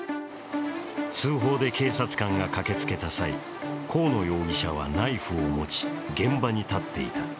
通報で警察官が駆けつけた際、河野容疑者はナイフを持ち現場に立っていた。